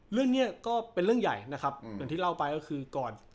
เรื่องนี้ก็เป็นเรื่องใหญ่นะครับอย่างที่เล่าไปก็คือก่อน